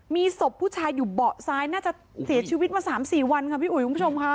มีศพผู้ชายอยู่เบาะซ้ายน่าจะเสียชีวิตมา๓๔วันค่ะพี่อุ๋ยคุณผู้ชมค่ะ